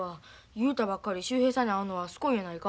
雄太ばっかり秀平さんに会うのはすこいやないか。